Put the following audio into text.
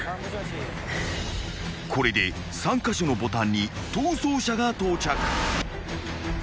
［これで３カ所のボタンに逃走者が到着］